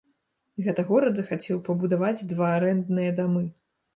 Гэта горад захацеў пабудаваць два арэндныя дамы.